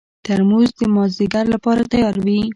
ترموز د مازدیګر لپاره تیار وي.